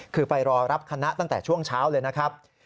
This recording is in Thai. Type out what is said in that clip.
คือไปรอรับคณะตั้งแต่ช่วงเช้าเลยนะครับ